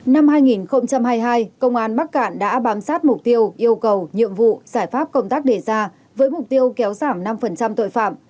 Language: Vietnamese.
năm hai nghìn hai mươi hai công an bắc cạn đã bám sát mục tiêu yêu cầu nhiệm vụ giải pháp công tác đề ra với mục tiêu kéo giảm năm tội phạm